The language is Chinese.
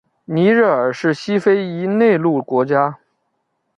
尼日尔是西非一内陆国家。